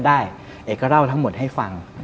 เอกก็เล่าทั้งหมดให้ฟัง